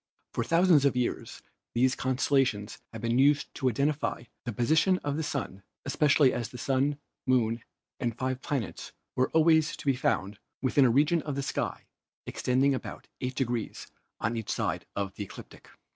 For thousands of years these constellations have been used to identify the position of the Sun, especially as the Sun, Moon and five planets were al ways to be found within a region of the sky extending about 8 degrees on each side of the ecliptic.